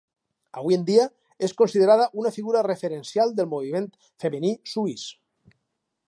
Avui en dia és considerada una figura referencial del moviment femení suís.